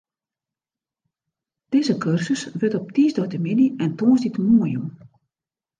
Dizze kursus wurdt op tiisdeitemiddei en tongersdeitemoarn jûn.